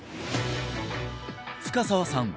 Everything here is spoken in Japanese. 深澤さん